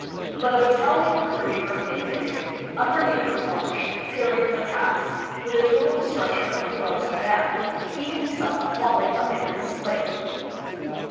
But a battalion of the 33d Infantry, under Major March, carried the pass, with the total destruction of Pilar's command, he himself falling amid the slain.